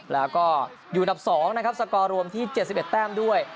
แล้วก็อยู่อันดับ๒นะครับสกอร์รวมที่๗๑แต้มด้วย